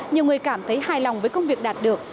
nhiều người cảm thấy hài lòng với công việc đạt được